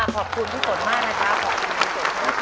ขอบคุณพี่ฝนมากนะครับ